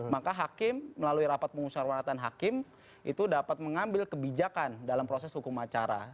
maka hakim melalui rapat pengusaha waratan hakim itu dapat mengambil kebijakan dalam proses hukum acara